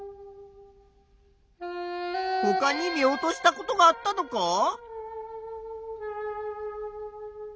ほかに見落としたことがあったのか？